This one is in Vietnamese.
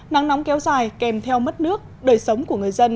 nắng nóng kéo dài kèm theo mất nước đời sống của người dân